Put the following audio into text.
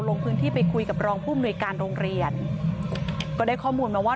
ลงพื้นที่ไปคุยกับรองผู้มนุยการโรงเรียนก็ได้ข้อมูลมาว่า